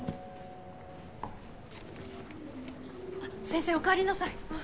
先生お帰りなさい。